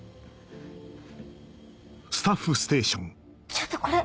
ちょっとこれ。